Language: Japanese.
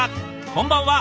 こんばんは。